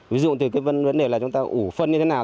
ví dụ từ cái vấn đề là chúng ta ủ phân như thế nào